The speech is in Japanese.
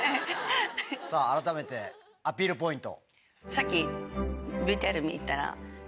さぁ改めてアピールポイント。